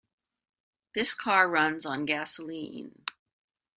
This car runs on gasoline.